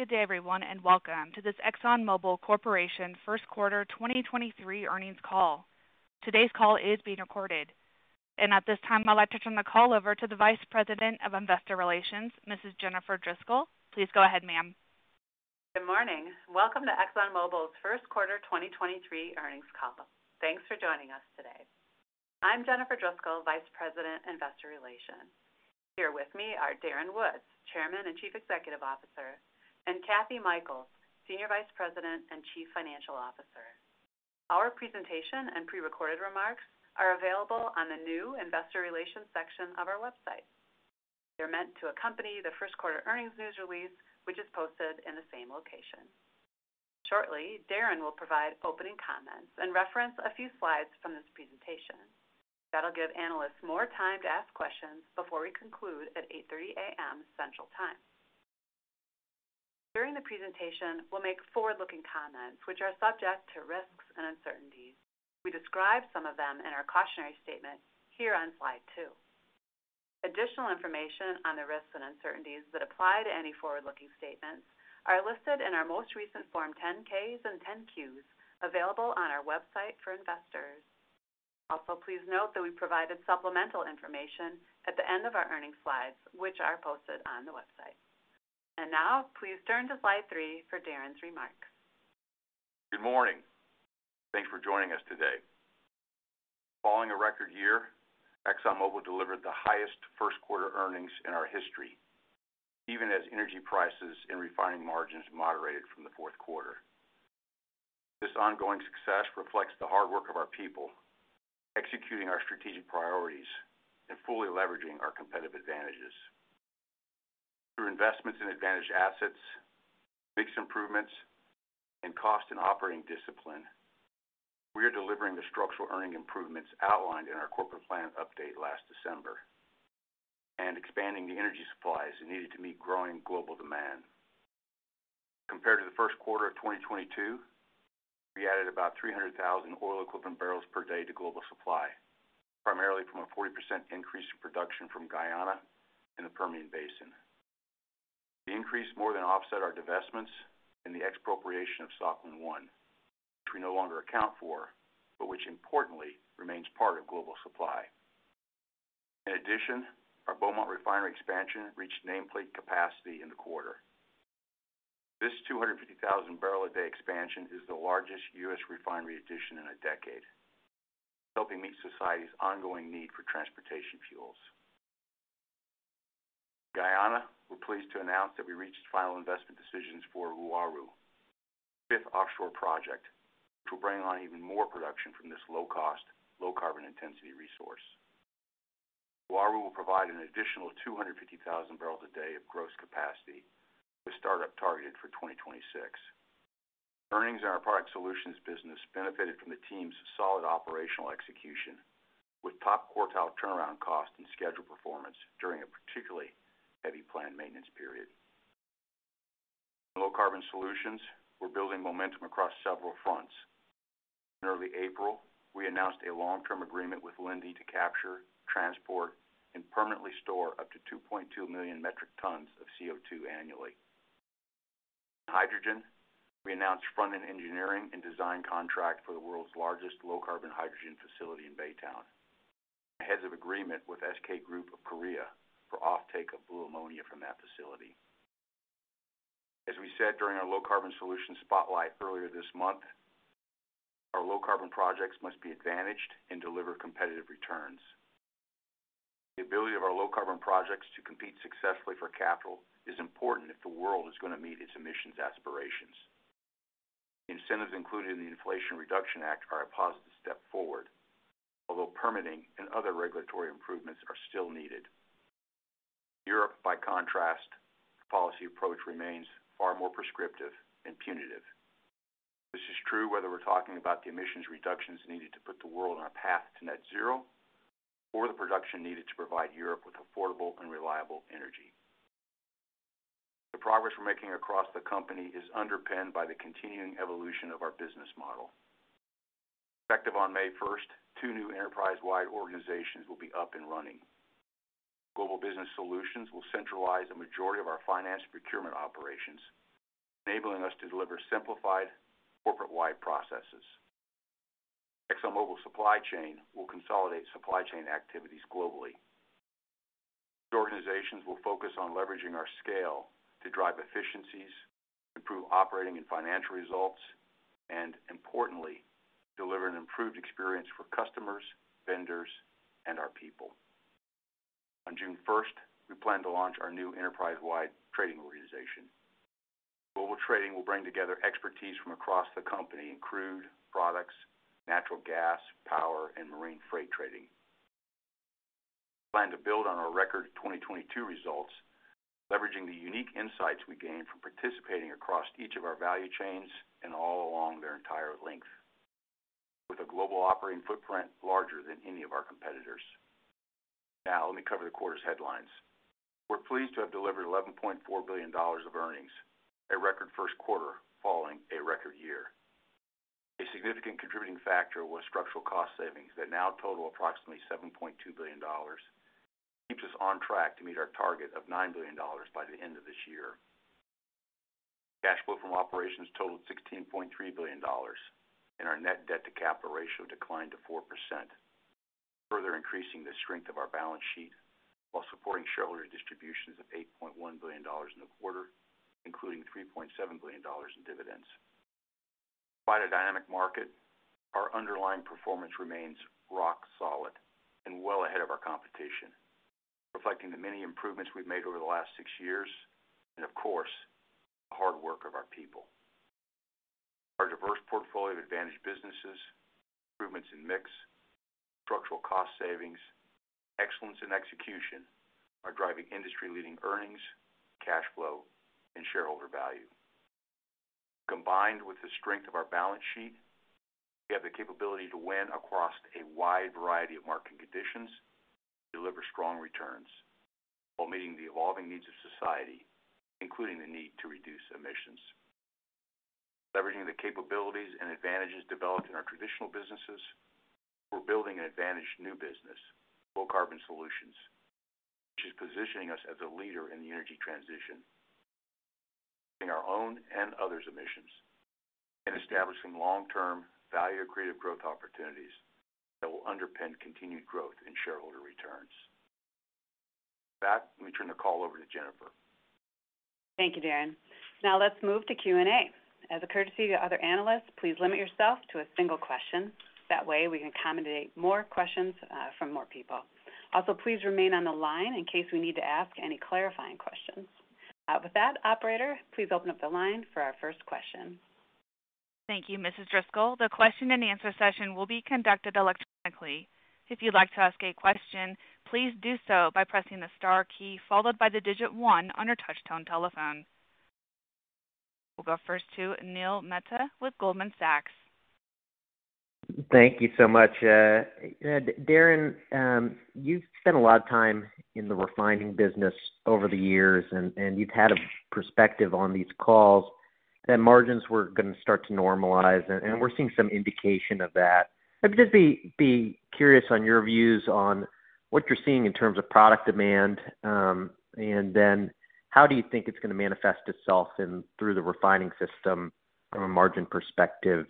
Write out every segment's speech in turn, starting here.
Good day, everyone, welcome to this ExxonMobil Corporation First Quarter 2023 Earnings Call. Today's call is being recorded. At this time, I'd like to turn the call over to the Vice President of Investor Relations, Mrs. Jennifer Driscoll. Please go ahead, ma'am. Good morning. Welcome to ExxonMobil's First Quarter 2023 Earnings Call. Thanks for joining us today. I'm Jennifer Driscoll, Vice President, Investor Relations. Here with me are Darren Woods, Chairman and Chief Executive Officer, and Kathy Mikells, Senior Vice President and Chief Financial Officer. Our presentation and prerecorded remarks are available on the new investor relations section of our website. They're meant to accompany the first quarter earnings news release, which is posted in the same location. Shortly, Darren will provide opening comments and reference a few slides from this presentation. That'll give analysts more time to ask questions before we conclude at 8:30 A.M. Central Time. During the presentation, we'll make forward-looking comments which are subject to risks and uncertainties. We describe some of them in our cautionary statement here on Slide 2. Additional information on the risks and uncertainties that apply to any forward-looking statements are listed in our most recent form 10-Ks and 10-Qs available on our website for investors. Please note that we provided supplemental information at the end of our earnings slides, which are posted on the website. Now please turn to Slide 3 for Darren's remarks. Good morning. Thanks for joining us today. Following a record year, ExxonMobil delivered the highest first quarter earnings in our history, even as energy prices and refining margins moderated from the fourth quarter. This ongoing success reflects the hard work of our people executing our strategic priorities and fully leveraging our competitive advantages. Through investments in advantage assets, mix improvements, and cost and operating discipline, we are delivering the structural earning improvements outlined in our corporate plan update last December and expanding the energy supplies needed to meet growing global demand. Compared to the first quarter of 2022, we added about 300,000 oil equivalent barrels per day to global supply, primarily from a 40% increase in production from Guyana in the Permian Basin. The increase more than offset our divestments and the expropriation of Sakhalin-1, which we no longer account for, but which importantly remains part of global supply. Our Beaumont Refinery expansion reached nameplate capacity in the quarter. This 250,000 barrel a day expansion is the largest U.S. refinery addition in a decade, helping meet society's ongoing need for transportation fuels. Guyana, we're pleased to announce that we reached final investment decisions for Uaru, fifth offshore project, which will bring on even more production from this low cost, low carbon intensity resource. Uaru will provide an additional 250,000 barrels a day of gross capacity with startup targeted for 2026. Earnings in our Product Solutions business benefited from the team's solid operational execution with top quartile turnaround cost and schedule performance during a particularly heavy planned maintenance period. In Low Carbon Solutions, we're building momentum across several fronts. In early April, we announced a long-term agreement with Linde to capture, transport, and permanently store up to 2.2 million metric tons of CO₂ annually. In Hydrogen, we announced front-end engineering and design contract for the world's largest low-carbon hydrogen facility in Baytown. Ahead of agreement with SK Group of Korea for offtake of blue ammonia from that facility. As we said during our Low Carbon Solutions spotlight earlier this month, our low-carbon projects must be advantaged and deliver competitive returns. The ability of our low-carbon projects to compete successfully for capital is important if the world is gonna meet its emissions aspirations. The incentives included in the Inflation Reduction Act are a positive step forward, although permitting and other regulatory improvements are still needed. Europe, by contrast, policy approach remains far more prescriptive and punitive. This is true whether we're talking about the emissions reductions needed to put the world on a path to net zero or the production needed to provide Europe with affordable and reliable energy. The progress we're making across the company is underpinned by the continuing evolution of our business model. Effective on May 1st, two new enterprise-wide organizations will be up and running. Global Business Solutions will centralize a majority of our finance procurement operations, enabling us to deliver simplified corporate-wide processes. ExxonMobil Supply Chain will consolidate supply chain activities globally. The organizations will focus on leveraging our scale to drive efficiencies, improve operating and financial results, and importantly, deliver an improved experience for customers, vendors, and our people. On June 1st, we plan to launch our new enterprise-wide trading organization. Global Trading will bring together expertise from across the company in crude, products, natural gas, power, and marine freight trading. We plan to build on our record 2022 results, leveraging the unique insights we gain from participating across each of our value chains and all along their entire length with a global operating footprint larger than any of our competitors. Let me cover the quarter's headlines. We're pleased to have delivered $11.4 billion of earnings, a record first quarter. Factor was structural cost savings that now total approximately $7.2 billion. Keeps us on track to meet our target of $9 billion by the end of this year. Cash flow from operations totaled $16.3 billion and our net debt to capital ratio declined to 4%, further increasing the strength of our balance sheet while supporting shareholder distributions of $8.1 billion in the quarter, including $3.7 billion in dividends. Quite a dynamic market. Our underlying performance remains rock solid and well ahead of our competition, reflecting the many improvements we've made over the last six years and of course, the hard work of our people. Our diverse portfolio of advantage businesses, improvements in mix, structural cost savings, excellence in execution are driving industry-leading earnings, cash flow, and shareholder value. Combined with the strength of our balance sheet, we have the capability to win across a wide variety of market conditions, deliver strong returns while meeting the evolving needs of society, including the need to reduce emissions. Leveraging the capabilities and advantages developed in our traditional businesses, we're building an advantage new business, Low Carbon Solutions, which is positioning us as a leader in the energy transition in our own and others emissions, and establishing long-term value creative growth opportunities that will underpin continued growth in shareholder returns. With that, let me turn the call over to Jennifer. Thank you, Darren. Let's move to Q&A. As a courtesy to other analysts, please limit yourself to a single question. That way, we can accommodate more questions from more people. Please remain on the line in case we need to ask any clarifying questions. With that, operator, please open up the line for our first question. Thank you, Mrs. Driscoll. The question and answer session will be conducted electronically. If you'd like to ask a question, please do so by pressing the star key followed by the digit one on your touchtone telephone. We'll go first to Neil Mehta with Goldman Sachs. Thank you so much. Darren, you've spent a lot of time in the refining business over the years, and you've had a perspective on these calls that margins were gonna start to normalize, and we're seeing some indication of that. I'd just be curious on your views on what you're seeing in terms of product demand, and then how do you think it's gonna manifest itself in through the refining system from a margin perspective,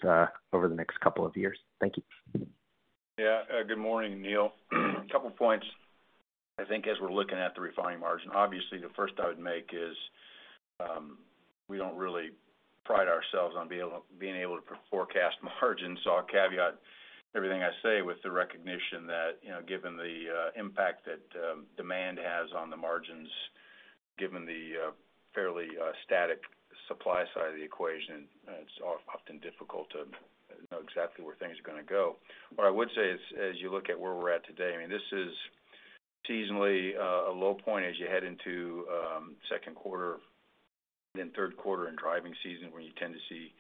over the next couple of years? Thank you. Yeah, good morning, Neil. A couple of points. I think as we're looking at the refining margin, obviously the first I would make is, we don't really pride ourselves on being able to forecast margins or caveat everything I say with the recognition that, you know, given the impact that demand has on the margins, given the fairly static supply side of the equation, it's often difficult to know exactly where things are gonna go. What I would say is, as you look at where we're at today, I mean, this is seasonally a low point as you head into second quarter and third quarter and driving season where you tend to see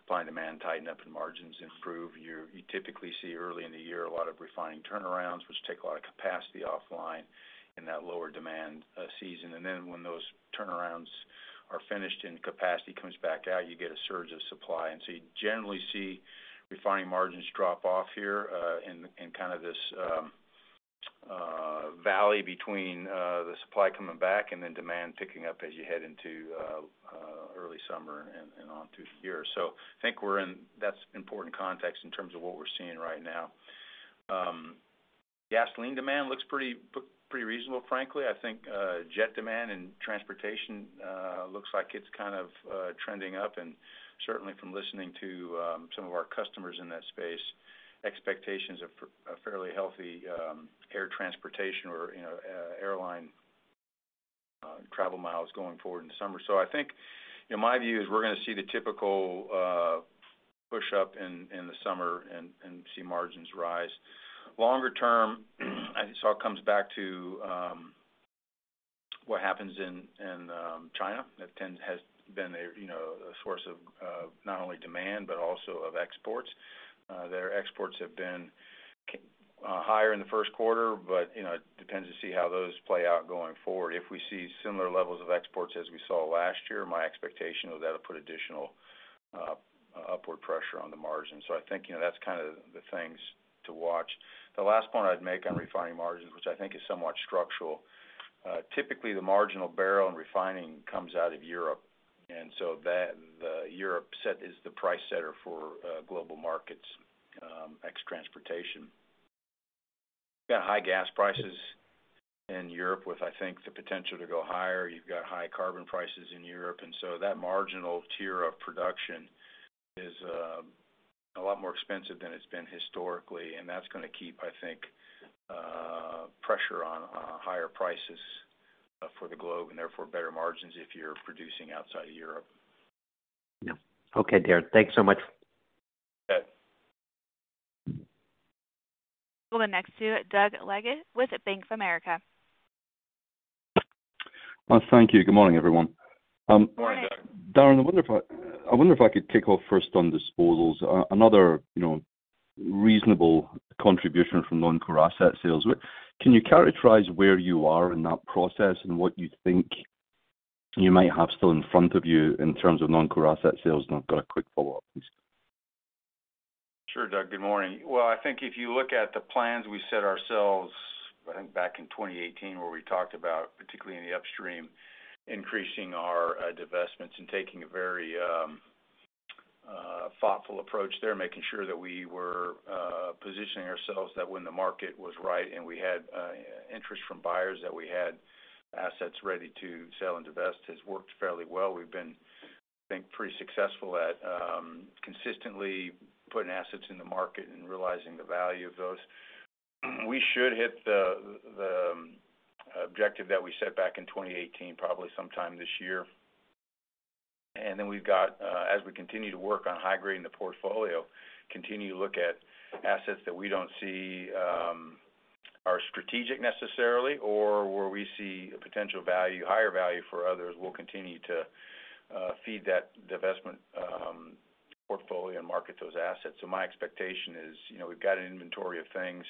supply and demand tighten up and margins improve. You typically see early in the year a lot of refining turnarounds, which take a lot of capacity offline in that lower demand season. When those turnarounds are finished and capacity comes back out, you get a surge of supply. You generally see refining margins drop off here, in kind of this valley between the supply coming back and then demand picking up as you head into early summer and on through the year. I think that's important context in terms of what we're seeing right now. Gasoline demand looks pretty reasonable, frankly. I think jet demand and transportation looks like it's kind of trending up. Certainly from listening to some of our customers in that space, expectations are a fairly healthy air transportation or, you know, airline travel miles going forward in the summer. I think my view is we're gonna see the typical push-up in the summer and see margins rise. Longer term, it all comes back to what happens in China. has been a, you know, a source of not only demand, but also of exports. Their exports have been higher in the first quarter, but, you know, it depends to see how those play out going forward. If we see similar levels of exports as we saw last year, my expectation is that'll put additional upward pressure on the margin. I think, you know, that's kinda the things to watch. The last point I'd make on refining margins, which I think is somewhat structural. Typically the marginal barrel in refining comes out of Europe. Europe set is the price setter for global markets, ex transportation. You got high gas prices in Europe with, I think, the potential to go higher. You've got high carbon prices in Europe. That marginal tier of production is a lot more expensive than it's been historically, and that's gonna keep, I think, pressure on higher prices for the globe and therefore better margins if you're producing outside of Europe. Yeah. Okay, Darren. Thanks so much. You bet. We'll go next to Doug Leggate with Bank of America. Thank you. Good morning, everyone. Good morning, Doug. Darren, I wonder if I could kick off first on disposals. You know, another reasonable contribution from non-core asset sales. Can you characterize where you are in that process and what you think you might have still in front of you in terms of non-core asset sales? I've got a quick follow-up please. Sure, Doug, good morning. Well, I think if you look at the plans we set ourselves, I think back in 2018, where we talked about, particularly in the upstream, increasing our divestments and taking a very thoughtful approach there, making sure that we were positioning ourselves that when the market was right and we had interest from buyers that we had assets ready to sell and divest has worked fairly well. We've been, I think, pretty successful at consistently putting assets in the market and realizing the value of those. We should hit the objective that we set back in 2018 probably sometime this year. We've got, as we continue to work on high grading the portfolio, continue to look at assets that we don't see, are strategic necessarily, or where we see a potential value, higher value for others, we'll continue to feed that divestment portfolio and market those assets. My expectation is, you know, we've got an inventory of things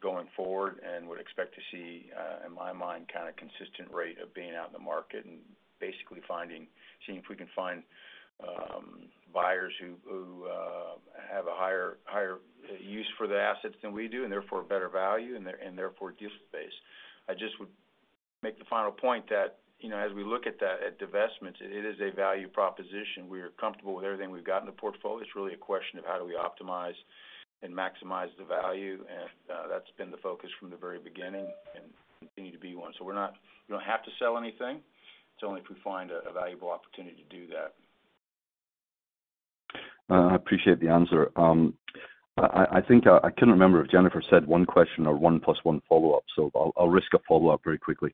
going forward and would expect to see, in my mind, kind of consistent rate of being out in the market and basically seeing if we can find, buyers who have a higher use for the assets than we do, and therefore better value and therefore deal space. I just would make the final point that, you know, as we look at that, divestments, it is a value proposition. We're comfortable with everything we've got in the portfolio. It's really a question of how do we optimize and maximize the value. That's been the focus from the very beginning and continue to be one. We don't have to sell anything. It's only if we find a valuable opportunity to do that. I appreciate the answer. I think I couldn't remember if Jennifer said one question or 1 + 1 follow-up, so I'll risk a follow-up very quickly.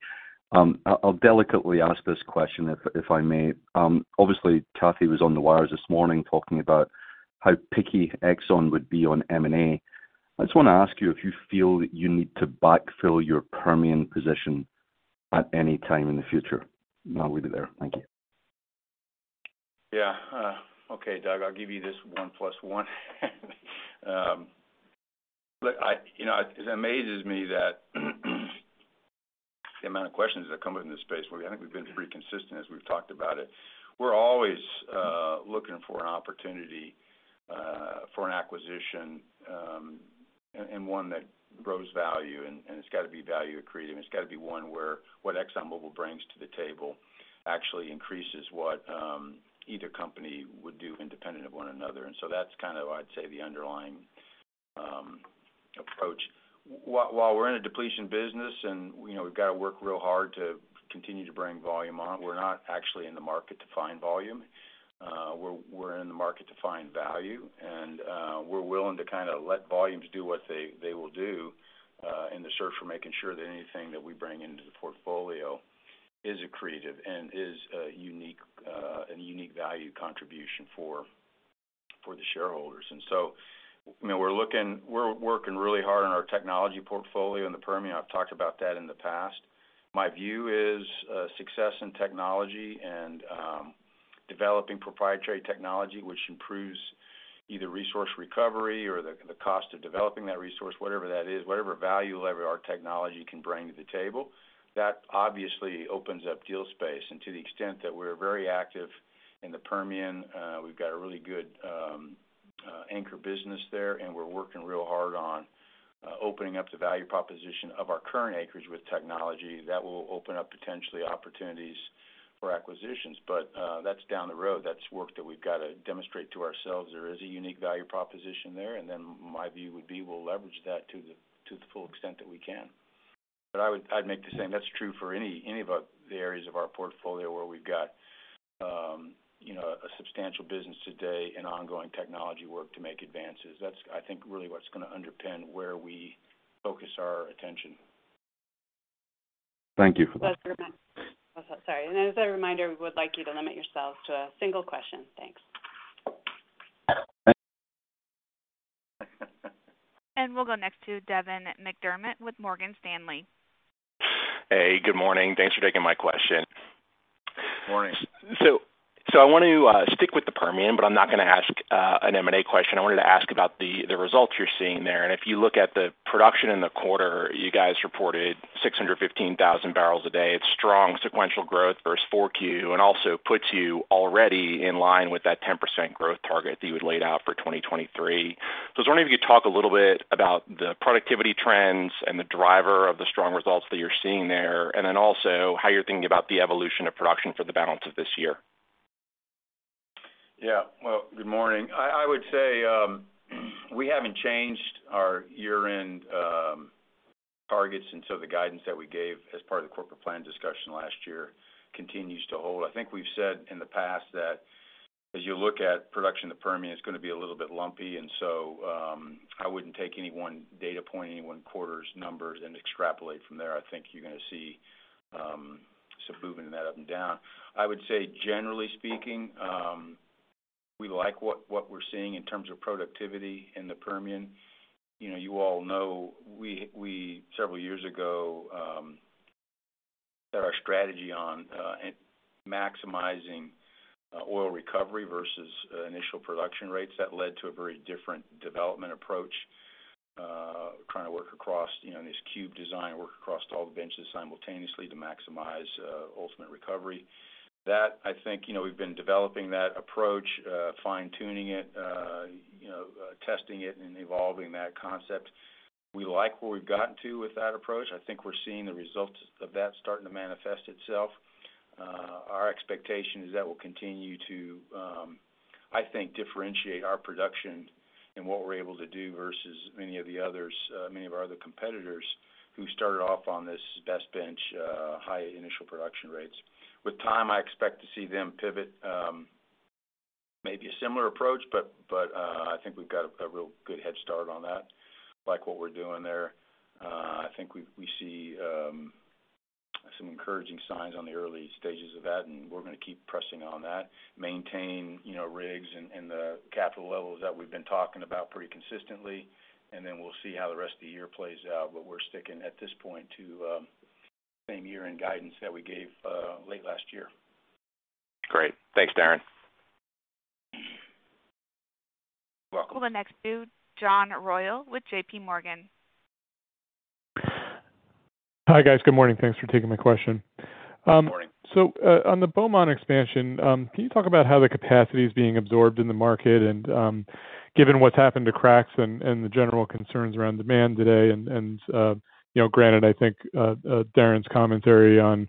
I'll delicately ask this question, if I may. Obviously Kathy was on the wires this morning talking about how picky Exxon would be on M&A. I just want to ask you if you feel that you need to backfill your Permian position at any time in the future. I'll leave it there. Thank you. Yeah. Okay, Doug, I'll give you this one plus one. Look, you know, it amazes me that the amount of questions that come up in this space, where I think we've been pretty consistent as we've talked about it. We're always looking for an opportunity for an acquisition, and one that grows value. It's got to be value accretive, and it's got to be one where what ExxonMobil brings to the table actually increases what either company would do independent of one another. That's kind of, I'd say, the underlying approach. While we're in a depletion business and, you know, we've got to work real hard to continue to bring volume on, we're not actually in the market to find volume. We're in the market to find value. We're willing to kind of let volumes do what they will do in the search for making sure that anything that we bring into the portfolio is accretive and is a unique value contribution for the shareholders. You know, we're working really hard on our technology portfolio in the Permian. I've talked about that in the past. My view is success in technology and developing proprietary technology, which improves either resource recovery or the cost of developing that resource, whatever that is, whatever value lever our technology can bring to the table, that obviously opens up deal space. To the extent that we're very active in the Permian, we've got a really good anchor business there, and we're working real hard on opening up the value proposition of our current acreage with technology. That will open up potentially opportunities for acquisitions. That's down the road. That's work that we've got to demonstrate to ourselves. There is a unique value proposition there, and then my view would be we'll leverage that to the full extent that we can. I'd make the same. That's true for any of the areas of our portfolio where we've got, you know, a substantial business today and ongoing technology work to make advances. That's, I think, really what's going to underpin where we focus our attention. Thank you for that. Sorry. As a reminder, we would like you to limit yourselves to a single question. Thanks. We'll go next to Devin McDermott with Morgan Stanley. Hey, good morning. Thanks for taking my question. Morning. I want to stick with the Permian, but I'm not going to ask an M&A question. I wanted to ask about the results you're seeing there. If you look at the production in the quarter, you guys reported 615,000 barrels a day. It's strong sequential growth versus 4Q, and also puts you already in line with that 10% growth target that you had laid out for 2023. I was wondering if you could talk a little bit about the productivity trends and the driver of the strong results that you're seeing there, and then also how you're thinking about the evolution of production for the balance of this year. Yeah. Well, good morning. I would say, we haven't changed our year-end targets. The guidance that we gave as part of the corporate plan discussion last year continues to hold. I think we've said in the past that as you look at production in the Permian, it's going to be a little bit lumpy. I wouldn't take any one data point, any one quarter's numbers and extrapolate from there. I think you're going to see some movement in that up and down. I would say generally speaking, we like what we're seeing in terms of productivity in the Permian. You know, you all know we several years ago set our strategy on maximizing oil recovery versus initial production rates. That led to a very different development approach. Trying to work across, you know, this cube design, work across all the benches simultaneously to maximize ultimate recovery. That, I think, you know, we've been developing that approach, fine-tuning it, you know, testing it, and evolving that concept. We like where we've gotten to with that approach. I think we're seeing the results of that starting to manifest itself. Our expectation is that will continue to, I think, differentiate our production and what we're able to do versus many of the others, many of our other competitors who started off on this best bench, high initial production rates. With time, I expect to see them pivot, maybe a similar approach, but, I think we've got a real good head start on that. Like what we're doing there. I think we see some encouraging signs on the early stages of that, and we're gonna keep pressing on that, maintain, you know, rigs and the capital levels that we've been talking about pretty consistently. We'll see how the rest of the year plays out. We're sticking at this point to same year-end guidance that we gave late last year. Great. Thanks, Darren. You're welcome. We'll go next to John Royall with JPMorgan Chase. Hi, guys. Good morning. Thanks for taking my question. Good morning. On the Beaumont expansion, can you talk about how the capacity is being absorbed in the market? Given what's happened to cracks and the general concerns around demand today, you know, granted, I think Darren's commentary on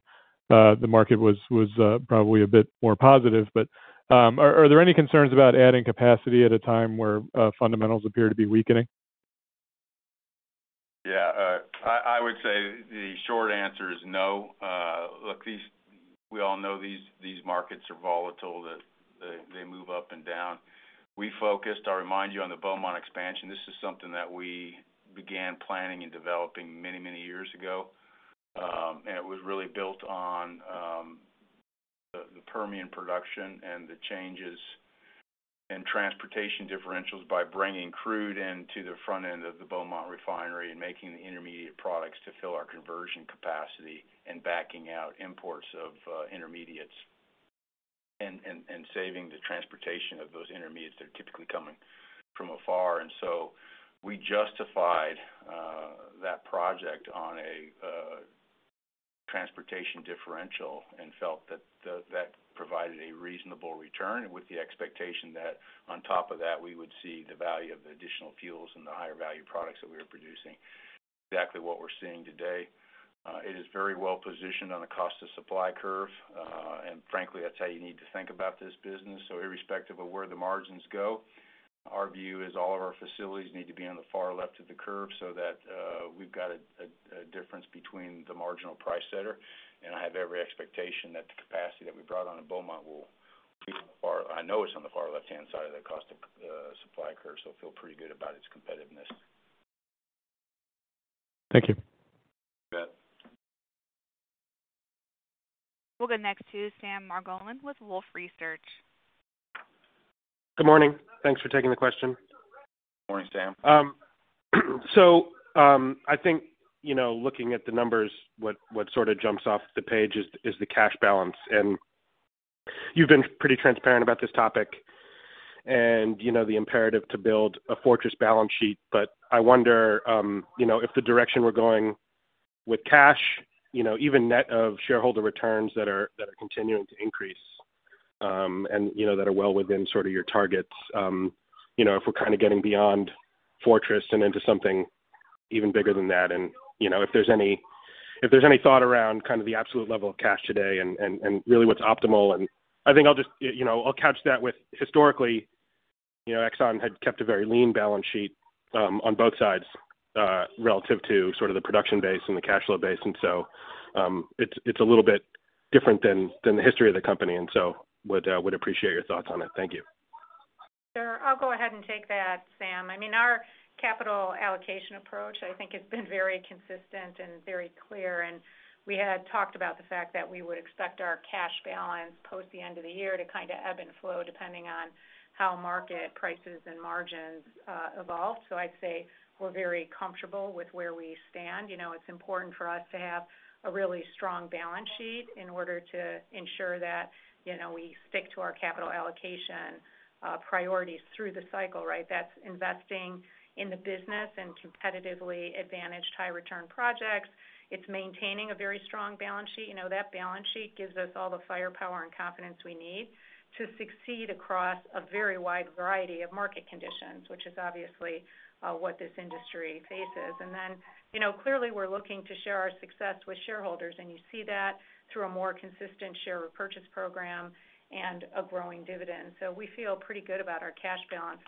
the market was probably a bit more positive. Are there any concerns about adding capacity at a time where fundamentals appear to be weakening? Yeah. I would say the short answer is no. Look, we all know these markets are volatile, that they move up and down. We focused, I'll remind you, on the Beaumont expansion. This is something that we began planning and developing many years ago. It was really built on the Permian production and the changes in transportation differentials by bringing crude into the front end of the Beaumont refinery and making the intermediate products to fill our conversion capacity and backing out imports of intermediates and saving the transportation of those intermediates that are typically coming from afar. We justified that project on a transportation differential and felt that provided a reasonable return with the expectation that on top of that, we would see the value of the additional fuels and the higher value products that we are producing. Exactly what we're seeing today. It is very well positioned on the cost of supply curve. Frankly, that's how you need to think about this business. Irrespective of where the margins go, our view is all of our facilities need to be on the far left of the curve so that we've got a difference between the marginal price setter. I have every expectation that the capacity that we brought on in Beaumont will be far... I know it's on the far left-hand side of that cost of supply curve, so I feel pretty good about its competitiveness. Thank you. You bet. We'll go next to Sam Margolin with Wolfe Research. Good morning. Thanks for taking the question. Morning, Sam. I think, you know, looking at the numbers, what sort of jumps off the page is the cash balance. You've been pretty transparent about this topic and, you know, the imperative to build a fortress balance sheet. I wonder, you know, if the direction we're going with cash, you know, even net of shareholder returns that are continuing to increase, and you know, that are well within sort of your targets, you know, if we're kind of getting beyond fortress and into something even bigger than that. You know, if there's any thought around kind of the absolute level of cash today and really what's optimal. I think I'll just... You know, I'll couch that with historically, you know, Exxon had kept a very lean balance sheet, on both sides, relative to sort of the production base and the cash flow base. It's a little bit different than the history of the company, would appreciate your thoughts on it. Thank you. Sure. I'll go ahead and take that, Sam. I mean, our capital allocation approach, I think, has been very consistent and very clear. We had talked about the fact that we would expect our cash balance post the end of the year to kind of ebb and flow depending on how market prices and margins evolve. I'd say we're very comfortable with where we stand. You know, it's important for us to have a really strong balance sheet in order to ensure that, you know, we stick to our capital allocation priorities through the cycle, right? That's investing in the business and competitively advantaged high return projects. It's maintaining a very strong balance sheet. You know, that balance sheet gives us all the firepower and confidence we need to succeed across a very wide variety of market conditions, which is obviously what this industry faces. you know, clearly, we're looking to share our success with shareholders, and you see that through a more consistent share repurchase program and a growing dividend. We feel pretty good about our cash balance.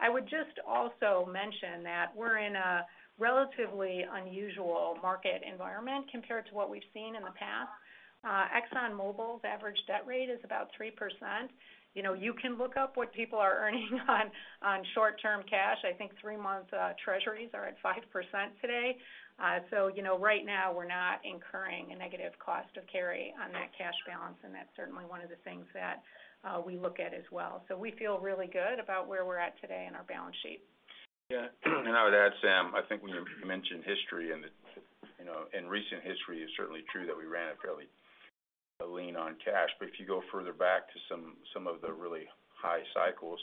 I would just also mention that we're in a relatively unusual market environment compared to what we've seen in the past. ExxonMobil's average debt rate is about 3%. You know, you can look up what people are earning on short-term cash. I think three-month treasuries are at 5% today. you know, right now, we're not incurring a negative cost of carry on that cash balance, and that's certainly one of the things that we look at as well. We feel really good about where we're at today in our balance sheet. Yeah. I would add, Sam, I think when you mentioned history and in recent history, it's certainly true that we ran a fairly lean on cash. If you go further back to some of the really high cycles,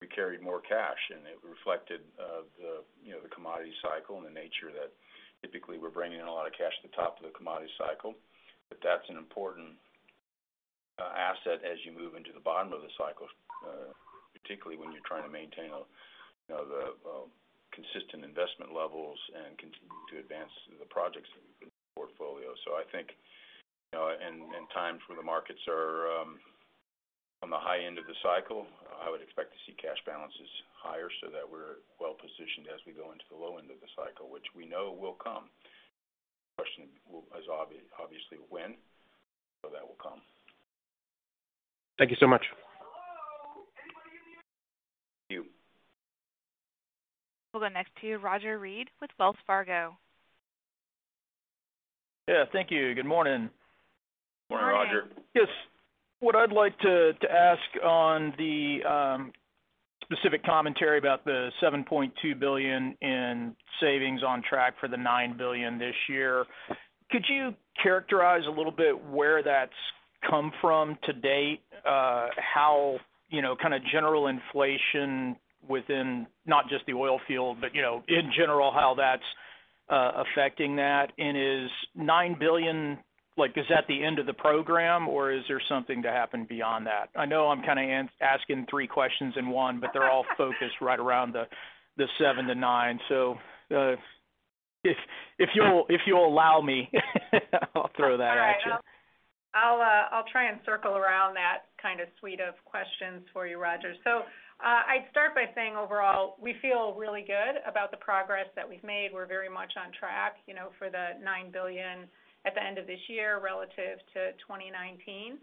we carried more cash, and it reflected the, you know, the commodity cycle and the nature that typically we're bringing in a lot of cash at the top of the commodity cycle. That's an important asset as you move into the bottom of the cycle, particularly when you're trying to maintain, you know, the consistent investment levels and continue to advance the projects in the portfolio. I think, you know, in times when the markets are on the high end of the cycle, I would expect to see cash balances higher so that we're well-positioned as we go into the low end of the cycle, which we know will come. The question is obviously when. We know that will come. Thank you so much. We'll go next to Roger Read with Wells Fargo. Yeah, thank you. Good morning. Morning, Roger. Good morning. Yes. What I'd like to ask on the specific commentary about the $7.2 billion in savings on track for the $9 billion this year. Could you characterize a little bit where that's come from to date? How, you know, kinda general inflation within not just the oil field, but, you know, in general, how that's affecting that? Is $9 billion... Like, is that the end of the program, or is there something to happen beyond that? I know I'm kinda asking three questions in one, but they're all focused right around the $7 billion-$9 billion. If you'll allow me I'll throw that at you. All right. I'll try and circle around that kinda suite of questions for you, Roger. I'd start by saying overall, we feel really good about the progress that we've made. We're very much on track, you know, for the $9 billion at the end of this year relative to 2019.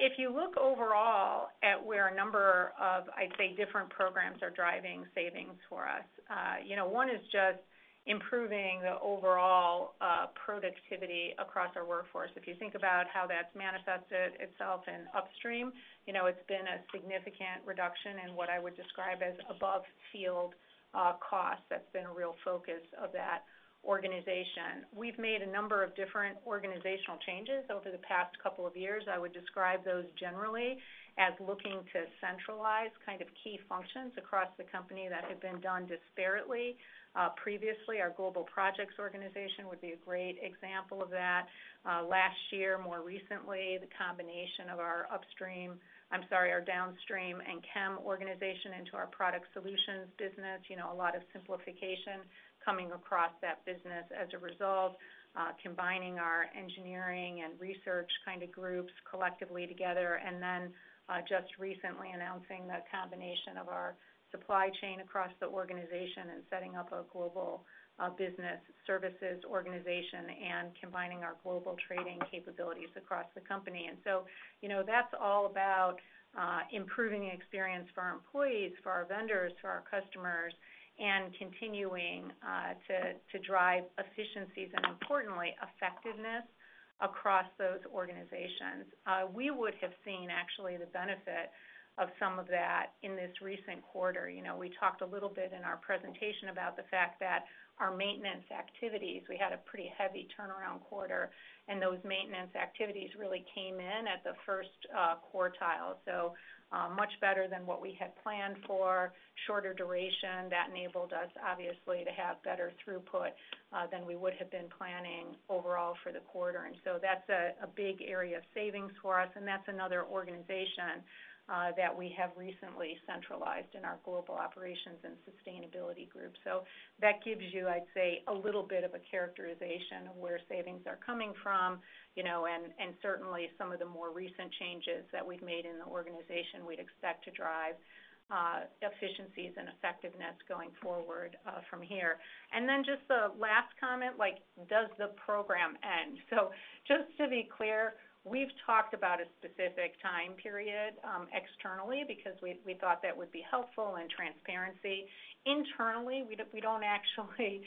If you look overall at where a number of, I'd say, different programs are driving savings for us, you know, one is just improving the overall productivity across our workforce. If you think about how that's manifested itself in upstream, you know, it's been a significant reduction in what I would describe as above-field costs. That's been a real focus of that organization. We've made a number of different organizational changes over the past couple of years. I would describe those generally as looking to centralize kind of key functions across the company that had been done disparately previously. Our Global Projects organization would be a great example of that. Last year, more recently, the combination of our downstream and Chem organization into our Product Solutions business, you know, a lot of simplification coming across that business as a result, combining our engineering and research kinda groups collectively together. Just recently announcing the combination of our Supply Chain across the organization and setting up a Global Business Solutions organization and combining our Global Trading capabilities across the company. You know, that's all about improving the experience for our employees, for our vendors, for our customers, and continuing to drive efficiencies and importantly, effectiveness across those organizations. We would have seen actually the benefit of some of that in this recent quarter. You know, we talked a little bit in our presentation about the fact that our maintenance activities, we had a pretty heavy turnaround quarter, and those maintenance activities really came in at the first quartile. Much better than what we had planned for, shorter duration. That enabled us, obviously, to have better throughput than we would have been planning overall for the quarter. That's a big area of savings for us, and that's another organization that we have recently centralized in our Global Operations and Sustainability group. That gives you, I'd say, a little bit of a characterization of where savings are coming from, you know, and certainly some of the more recent changes that we've made in the organization we'd expect to drive efficiencies and effectiveness going forward from here. Then just a last comment, like, does the program end? Just to be clear, we've talked about a specific time period externally because we thought that would be helpful and transparency. Internally, we don't actually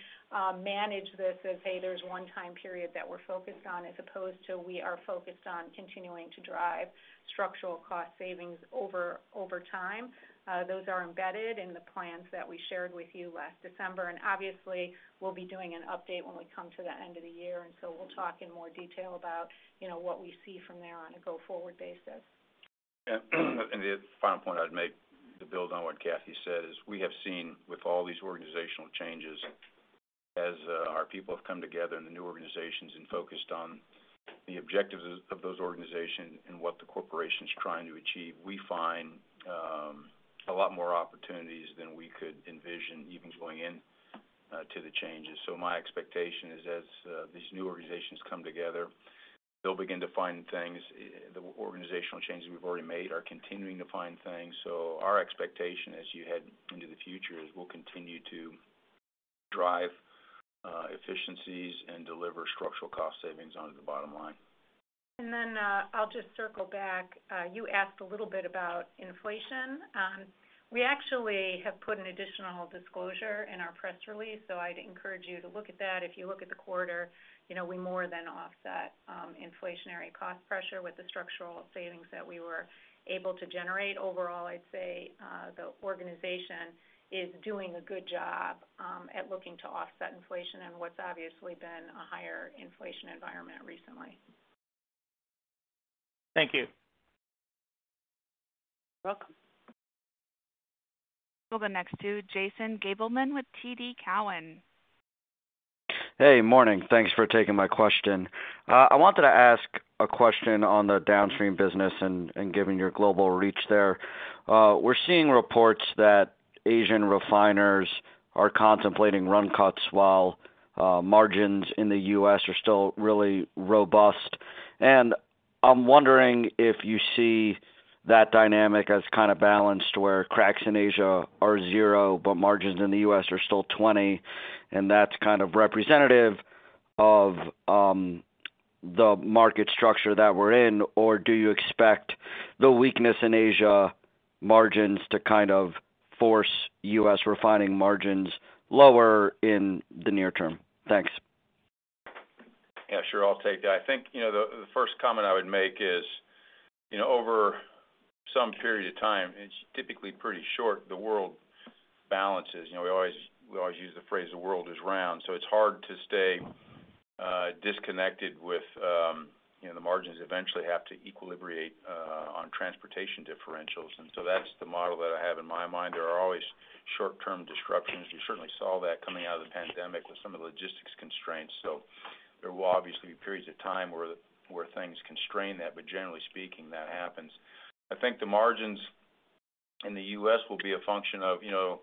manage this as, hey, there's one time period that we're focused on, as opposed to we are focused on continuing to drive structural cost savings over time. Those are embedded in the plans that we shared with you last December. Obviously, we'll be doing an update when we come to the end of the year. We'll talk in more detail about, you know, what we see from there on a go-forward basis. Yeah. The final point I'd make to build on what Kathy said is we have seen with all these organizational changes, as our people have come together in the new organizations and focused on the objectives of those organizations and what the corporation's trying to achieve, we find a lot more opportunities than we could envision even going in to the changes. My expectation is as these new organizations come together, they'll begin to find things. The organizational changes we've already made are continuing to find things. Our expectation as you head into the future is we'll continue to drive efficiencies and deliver structural cost savings onto the bottom line. I'll just circle back. You asked a little bit about inflation. We actually have put an additional disclosure in our press release, I'd encourage you to look at that. If you look at the quarter, you know, we more than offset inflationary cost pressure with the structural savings that we were able to generate. Overall, I'd say the organization is doing a good job at looking to offset inflation and what's obviously been a higher inflation environment recently. Thank you. Welcome. We'll go next to Jason Gabelman with TD Cowen. Hey, morning. Thanks for taking my question. I wanted to ask a question on the downstream business and given your global reach there. We're seeing reports that Asian refiners are contemplating run cuts while margins in the U.S. are still really robust. I'm wondering if you see that dynamic as kind of balanced, where cracks in Asia are 0, but margins in the U.S. are still $20, and that's kind of representative of the market structure that we're in. Do you expect the weakness in Asia margins to kind of force US refining margins lower in the near term? Thanks. Yeah, sure. I'll take that. I think, you know, the first comment I would make is, you know, over some period of time, it's typically pretty short, the world balances. You know, we always use the phrase, the world is round, so it's hard to stay disconnected with, you know, the margins eventually have to equilibriate on transportation differentials. That's the model that I have in my mind. There are always short-term disruptions. You certainly saw that coming out of the pandemic with some of the logistics constraints. There will obviously be periods of time where things constrain that, but generally speaking, that happens. I think the margins in the US will be a function of, you know,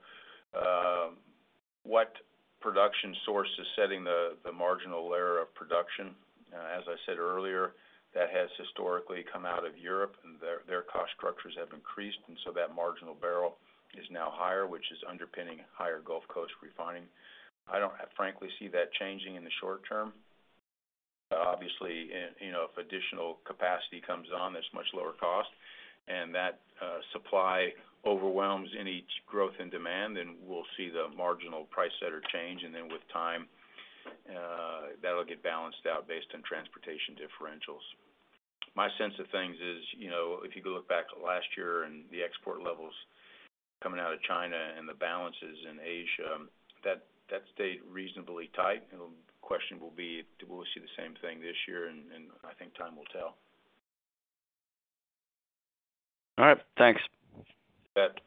what production source is setting the marginal layer of production. As I said earlier, that has historically come out of Europe and their cost structures have increased, that marginal barrel is now higher, which is underpinning higher Gulf Coast refining. I don't frankly see that changing in the short-term. Obviously, you know, if additional capacity comes on that's much lower cost and that supply overwhelms any growth in demand, then we'll see the marginal price setter change, then with time, that'll get balanced out based on transportation differentials. My sense of things is, you know, if you go look back last year and the export levels coming out of China and the balances in Asia, that stayed reasonably tight. The question will be, will we see the same thing this year? I think time will tell. All right, thanks. You bet.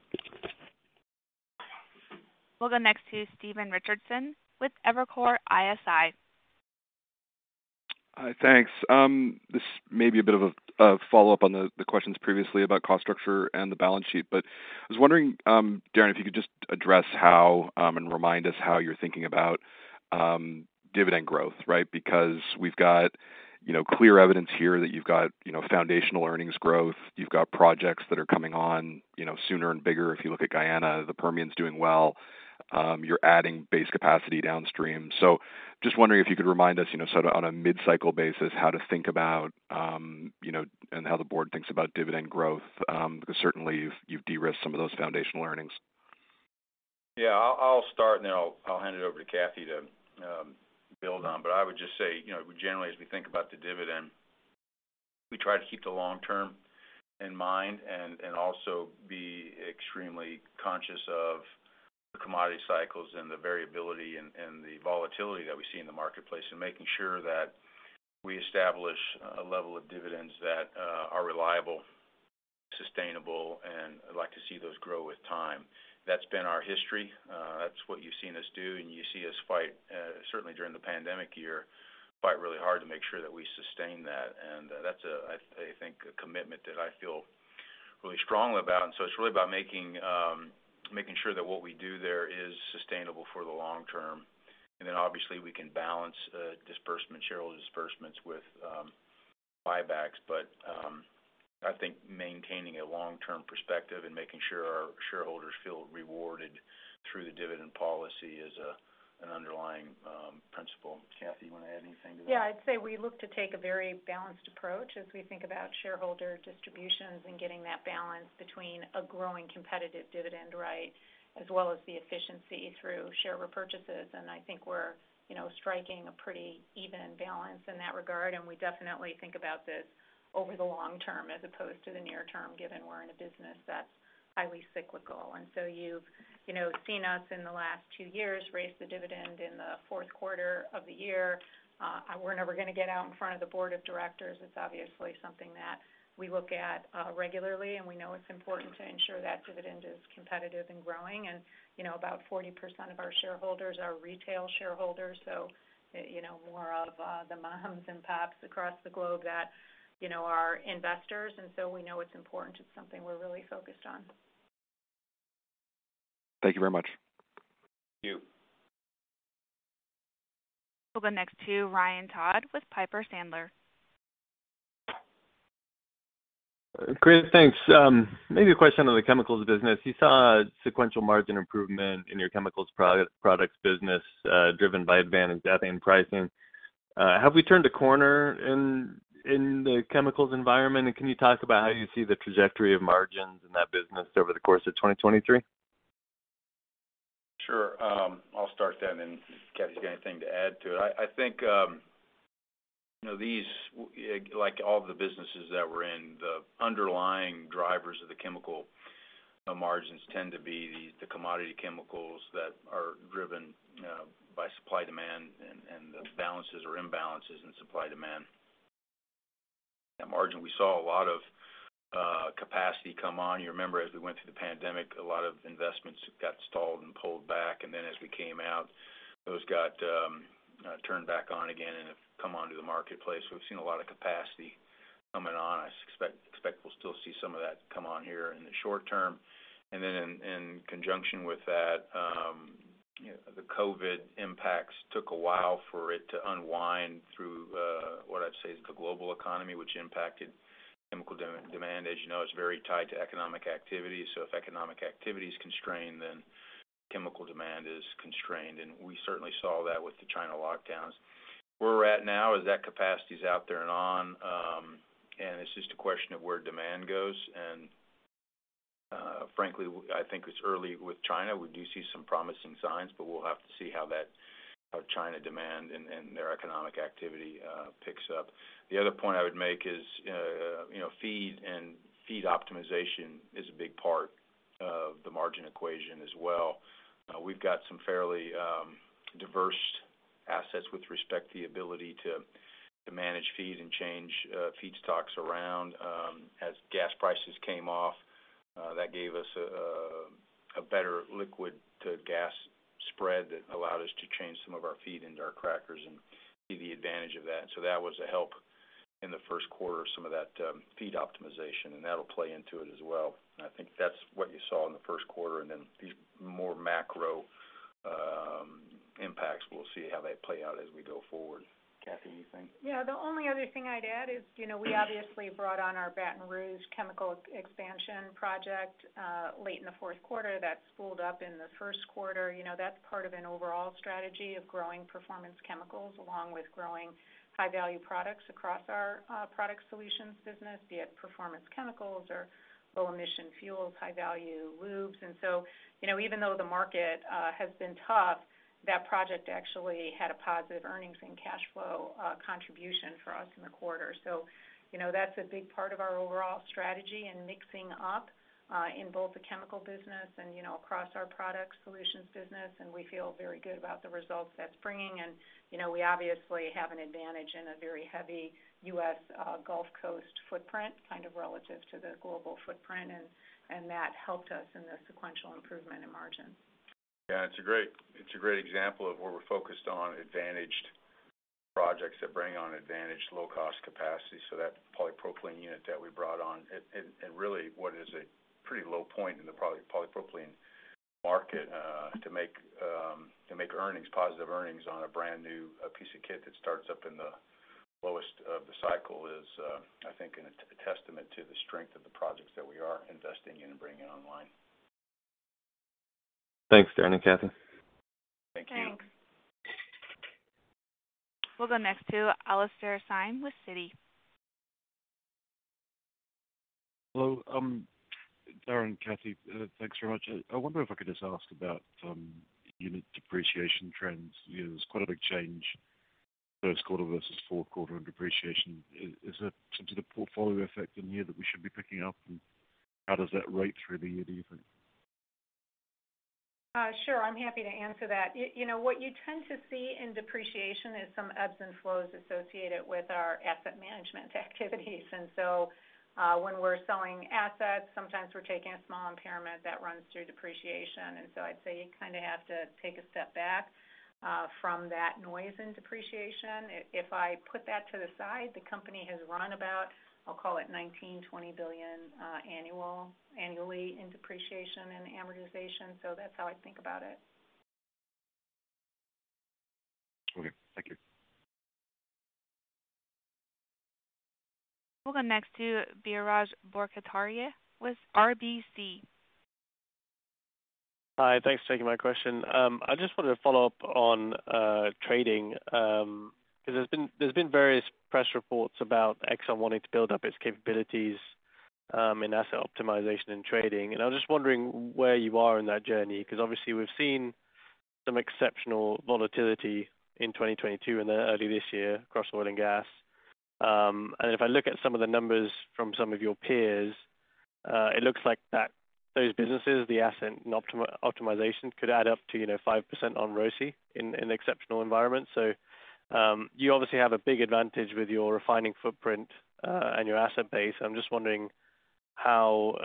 We'll go next to Stephen Richardson with Evercore ISI. Thanks. This may be a bit of a follow-up on the questions previously about cost structure and the balance sheet. I was wondering, Darren, if you could just address how, and remind us how you're thinking about dividend growth, right? Because we've got, you know, clear evidence here that you've got, you know, foundational earnings growth. You've got projects that are coming on, you know, sooner and bigger. If you look at Guyana, the Permian is doing well. You're adding base capacity downstream. Just wondering if you could remind us, you know, sort of on a mid-cycle basis how to think about, you know, and how the board thinks about dividend growth. Because certainly you've de-risked some of those foundational earnings. Yeah, I'll start and then I'll hand it over to Kathy to build on. I would just say, you know, generally as we think about the dividend, we try to keep the long-term in mind and also be extremely conscious of the commodity cycles and the variability and the volatility that we see in the marketplace, and making sure that we establish a level of dividends that are reliable, sustainable, and I'd like to see those grow with time. That's been our history. That's what you've seen us do. You see us fight, certainly during the pandemic year, fight really hard to make sure that we sustain that. That's a, I think, a commitment that I feel really strongly about. It's really about making sure that what we do there is sustainable for the long term. Obviously we can balance, disbursements, shareholder disbursements with, buybacks. I think maintaining a long-term perspective and making sure our shareholders feel rewarded through the dividend policy is a, an underlying principle. Kathy, you wanna add anything to that? Yeah, I'd say we look to take a very balanced approach as we think about shareholder distributions and getting that balance between a growing competitive dividend, right, as well as the efficiency through share repurchases. I think we're, you know, striking a pretty even balance in that regard, and we definitely think about this over the long term as opposed to the near term, given we're in a business that's highly cyclical. You've, you know, seen us in the last two years raise the dividend in the fourth quarter of the year. We're never gonna get out in front of the board of directors. It's obviously something that we look at regularly, and we know it's important to ensure that dividend is competitive and growing. You know, about 40% of our shareholders are retail shareholders, so, you know, more of the moms and pops across the globe that, you know, are investors. We know it's important. It's something we're really focused on. Thank you very much. Thank you. We'll go next to Ryan Todd with Piper Sandler. Chris, thanks. Maybe a question on the chemicals business. You saw sequential margin improvement in your chemicals products business, driven by advanced ethane pricing. Have we turned a corner in the chemicals environment? Can you talk about how you see the trajectory of margins in that business over the course of 2023? Sure. I'll start then, and if Kathy's got anything to add to it. I think, you know, these, like all the businesses that we're in, the underlying drivers of the chemical margins tend to be the commodity chemicals that are driven by supply-demand balances or imbalances in supply demand. That margin, we saw a lot of capacity come on. You remember as we went through the pandemic, a lot of investments got stalled and pulled back, and then as we came out, those got turned back on again and have come onto the marketplace. We've seen a lot of capacity coming on. I expect we'll still see some of that come on here in the short term. Then in conjunction with that, you know, the COVID impacts took a while for it to unwind through what I'd say is the global economy, which impacted chemical demand. As you know, it's very tied to economic activity. If economic activity is constrained, then chemical demand is constrained, and we certainly saw that with the China lockdowns. Where we're at now is that capacity's out there and on, and it's just a question of where demand goes. Frankly, I think it's early with China. We do see some promising signs, but we'll have to see how that China demand and their economic activity picks up. The other point I would make is, you know, feed and feed optimization is a big part of the margin equation as well. We've got some fairly diverse assets with respect to the ability to manage feed and change feedstocks around. As gas prices came off, that gave us a better liquid to gas spread that allowed us to change some of our feed into our crackers and see the advantage of that. That was a help in the first quarter, some of that feed optimization, and that'll play into it as well. I think that's what you saw in the first quarter, then these more macro impacts, we'll see how they play out as we go forward. Kathy, anything? Yeah. The only other thing I'd add is, you know, we obviously brought on our Baton Rouge chemical expansion project late in the fourth quarter. That spooled up in the first quarter. You know, that's part of an overall strategy of growing performance chemicals along with growing high-value products across our Product Solutions business, be it performance chemicals or low-emission fuels, high-value lubes. You know, even though the market has been tough, that project actually had a positive earnings and cash flow contribution for us in the quarter. You know, that's a big part of our overall strategy and mixing up in both the chemical business and, you know, across our Product Solutions business, and we feel very good about the results that's bringing in. You know, we obviously have an advantage in a very heavy U.S., Gulf Coast footprint, kind of relative to the global footprint, and that helped us in the sequential improvement in margin. Yeah, it's a great example of where we're focused on advantaged projects that bring on advantaged low-cost capacity. That polypropylene unit that we brought on, and really what is a pretty low point in the polypropylene market, to make earnings, positive earnings on a brand-new piece of kit that starts up in the lowest of the cycle is I think a testament to the strength of the projects that we are investing in and bringing online. Thanks, Darren and Kathy. Thank you. Thanks. We'll go next to Alastair Syme with Citi. Hello. Darren Woods, Kathy Mikells, thanks very much. I wonder if I could just ask about unit depreciation trends. You know, there's quite a big change first quarter versus fourth quarter in depreciation. Is that simply the portfolio effect in here that we should be picking up? How does that rate through the year, do you think? Sure. I'm happy to answer that. You know, what you tend to see in depreciation is some ebbs and flows associated with our asset management activities. When we're selling assets, sometimes we're taking a small impairment that runs through depreciation. I'd say you kind of have to take a step back from that noise in depreciation. If I put that to the side, the company has run about, I'll call it $19 billion-$20 billion annually in depreciation and amortization. That's how I think about it. Okay. Thank you. We'll go next to Biraj Borkhataria with RBC. Hi. Thanks for taking my question. I just wanted to follow up on trading, 'cause there's been various press reports about Exxon wanting to build up its capabilities in asset optimization and trading, and I'm just wondering where you are in that journey 'cause obviously we've seen some exceptional volatility in 2022 and then early this year across oil and gas. If I look at some of the numbers from some of your peers, it looks like that those businesses, the asset and optimization could add up to, you know, 5% on ROCE in exceptional environments. You obviously have a big advantage with your refining footprint and your asset base. I'm just wondering how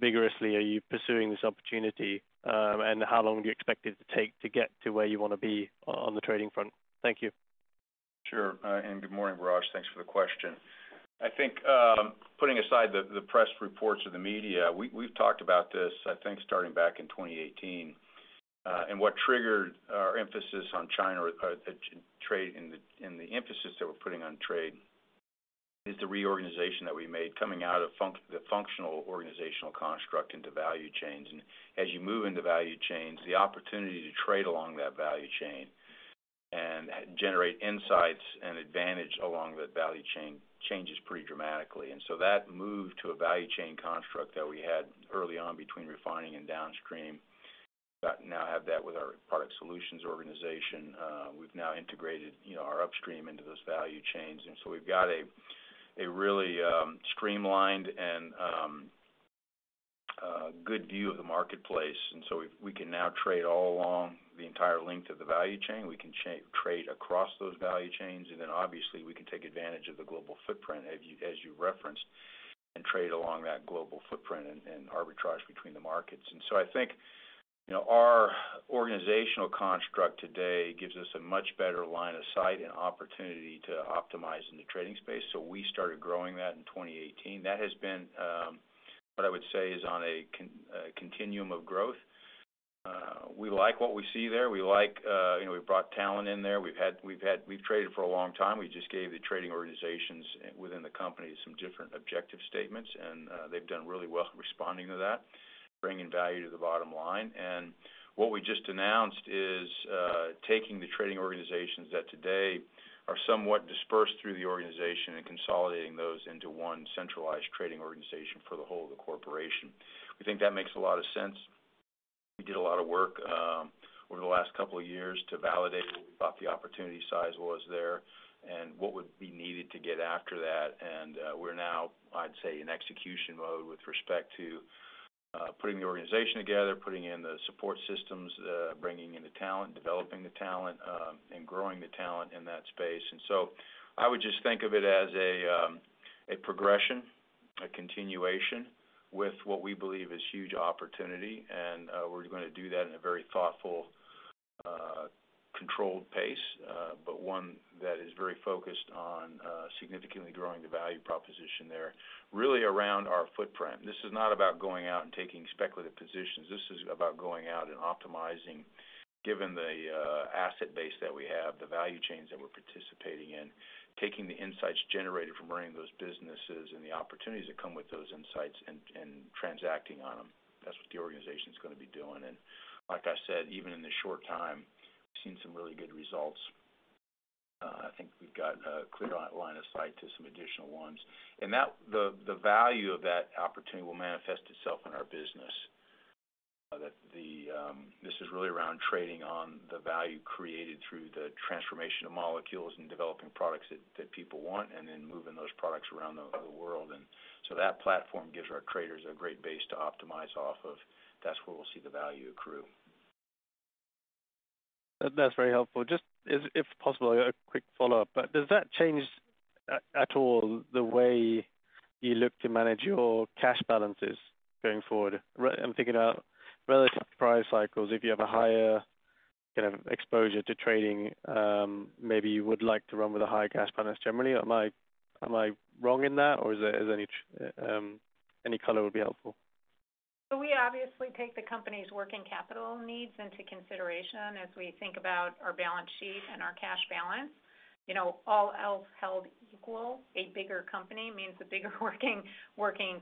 vigorously are you pursuing this opportunity, and how long do you expect it to take to get to where you wanna be on the trading front? Thank you. Sure. Good morning, Biraj. Thanks for the question. I think, putting aside the press reports of the media, we've talked about this, I think, starting back in 2018. What triggered our emphasis on China or the trade and the emphasis that we're putting on trade is the reorganization that we made coming out of the functional organizational construct into value chains. As you move into value chains, the opportunity to trade along that value chain and generate insights and advantage along that value chain changes pretty dramatically. That move to a value chain construct that we had early on between refining and downstream, we now have that with our Product Solutions organization. We've now integrated, you know, our upstream into those value chains, and so we've got a really streamlined and good view of the marketplace. If we can now trade all along the entire length of the value chain, we can trade across those value chains. Obviously we can take advantage of the global footprint as you, as you referenced, and trade along that global footprint and arbitrage between the markets. I think, you know, our organizational construct today gives us a much better line of sight and opportunity to optimize in the trading space. We started growing that in 2018. That has been what I would say is on a continuum of growth. We like what we see there. We like, you know, we've brought talent in there. We've traded for a long time. We just gave the trading organizations within the company some different objective statements, and they've done really well responding to that, bringing value to the bottom line. What we just announced is taking the trading organizations that today are somewhat dispersed through the organization and consolidating those into one centralized trading organization for the whole of the corporation. We think that makes a lot of sense. We did a lot of work over the last couple of years to validate what we thought the opportunity size was there and what would be needed to get after that. We're now, I'd say, in execution mode with respect to putting the organization together, putting in the support systems, bringing in the talent, developing the talent, and growing the talent in that space. I would just think of it as a progression, a continuation with what we believe is huge opportunity. We're gonna do that in a very thoughtful, controlled pace, but one that is very focused on significantly growing the value proposition there really around our footprint. This is not about going out and taking speculative positions. This is about going out and optimizing given the asset base that we have, the value chains that we're participating in, taking the insights generated from running those businesses and the opportunities that come with those insights and transacting on them. That's what the organization's gonna be doing. Like I said, even in the short time, we've seen some really good results. I think we've got a clear line of sight to some additional ones. The value of that opportunity will manifest itself in our business. This is really around trading on the value created through the transformation of molecules and developing products that people want and then moving those products around the world. That platform gives our traders a great base to optimize off of. That's where we'll see the value accrue. That's very helpful. Just if possible, a quick follow-up. Does that change at all the way you look to manage your cash balances going forward? I'm thinking about relative price cycles. If you have a higher kind of exposure to trading, maybe you would like to run with a higher cash balance generally. Am I, am I wrong in that, or is there any color would be helpful? We obviously take the company's working capital needs into consideration as we think about our balance sheet and our cash balance. You know, all else held equal, a bigger company means a bigger working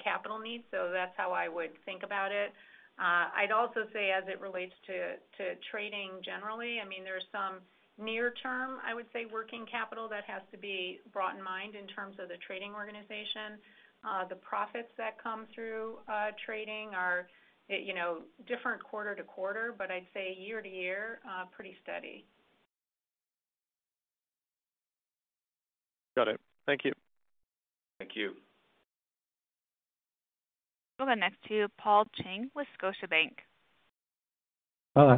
capital needs. That's how I would think about it. I'd also say, as it relates to trading generally, I mean, there's some near term, I would say, working capital that has to be brought in mind in terms of the trading organization. The profits that come through trading are, you know, different quarter to quarter, but I'd say year to year, pretty steady. Got it. Thank you. Thank you. We'll go next to Paul Cheng with Scotiabank.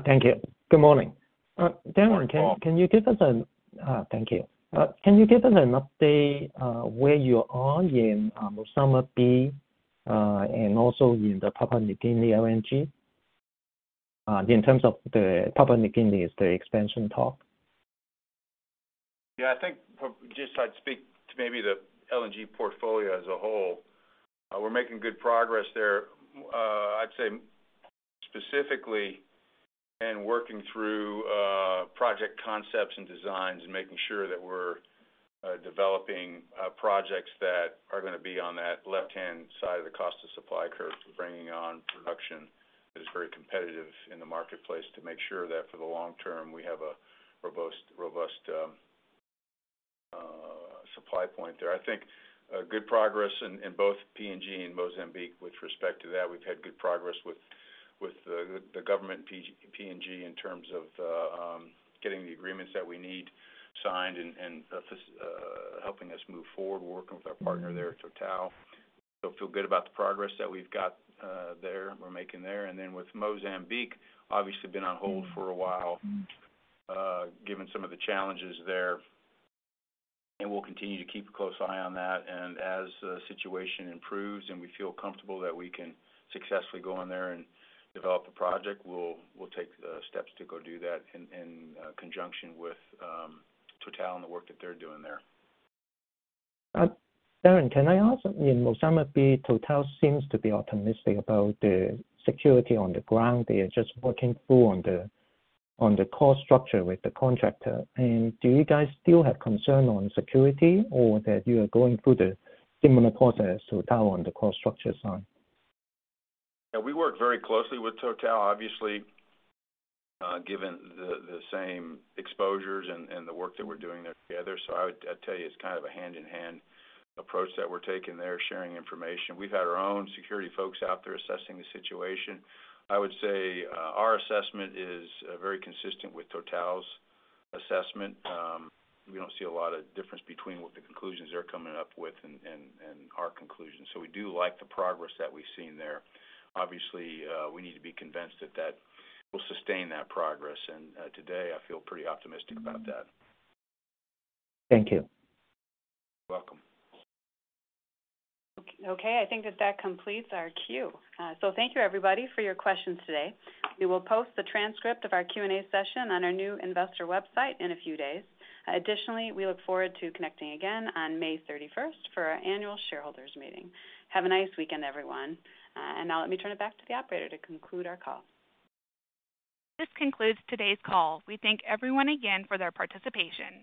Thank you. Good morning. Darren- Good morning, Paul. Thank you. Can you give us an update, where you are in Mozambique, and also in the Papua New Guinea LNG, in terms of the Papua New Guinea, the expansion talk? Yeah, I think just I'd speak to maybe the LNG portfolio as a whole. We're making good progress there. I'd say specifically and working through project concepts and designs and making sure that we're developing projects that are gonna be on that left-hand side of the cost of supply curve to bringing on production that is very competitive in the marketplace to make sure that for the long term, we have a robust supply point there. I think good progress in both PNG and Mozambique. With respect to that, we've had good progress with the government in PNG in terms of getting the agreements that we need signed and helping us move forward. We're working with our partner there, TotalEnergies. Feel good about the progress that we've got there, we're making there. With Mozambique, obviously been on hold for a while, given some of the challenges there, and we'll continue to keep a close eye on that. As the situation improves and we feel comfortable that we can successfully go in there and develop the project, we'll take the steps to go do that in conjunction with TotalEnergies and the work that they're doing there. Darren, can I ask, in Mozambique, TotalEnergies seems to be optimistic about the security on the ground. They are just working through on the, on the cost structure with the contractor. Do you guys still have concern on security or that you are going through the similar process to TotalEnergies on the cost structure side? Yeah, we work very closely with TotalEnergies, obviously, given the same exposures and the work that we're doing there together. I'd tell you it's kind of a hand-in-hand approach that we're taking there, sharing information. We've had our own security folks out there assessing the situation. I would say, our assessment is very consistent with TotalEnergies's assessment. We don't see a lot of difference between what the conclusions they're coming up with and our conclusions. We do like the progress that we've seen there. Obviously, we need to be convinced that that will sustain that progress. Today, I feel pretty optimistic about that. Thank you. You're welcome. Okay, I think that that completes our queue. Thank you, everybody, for your questions today. We will post the transcript of our Q&A session on our new investor website in a few days. Additionally, we look forward to connecting again on May 31st for our annual shareholders meeting. Have a nice weekend, everyone. Now let me turn it back to the operator to conclude our call. This concludes today's call. We thank everyone again for their participation.